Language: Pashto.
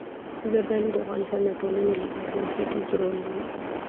زردالو د افغانستان د ټولنې لپاره بنسټيز رول لري.